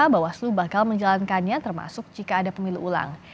bawaslu bakal menjalankannya termasuk jika ada pemilu ulang